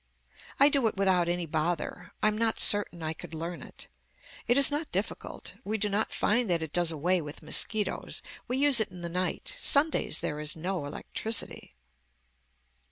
I do it without any bother. I am not certain I could learn it. It is not difficult. We do not find that it does away with mosquitoes. We use it in the night. Sundays there is no electricity.